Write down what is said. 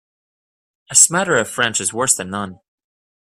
A smatter of French is worse than none.